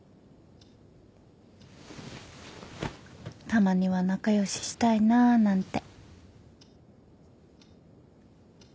たまには仲良ししたいななんて。